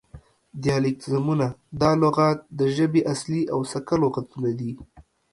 دیالیکتیزمونه: دا لغات د ژبې اصلي او سکه لغتونه دي